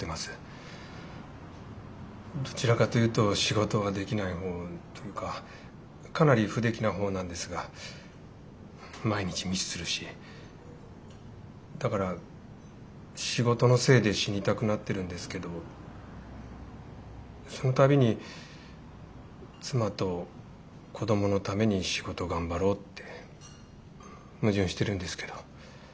どちらかというと仕事はできない方というかかなり不出来な方なんですが毎日ミスするしだから仕事のせいで死にたくなってるんですけどその度に妻と子供のために仕事頑張ろうって矛盾してるんですけど。